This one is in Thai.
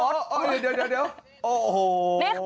เดี๋ยว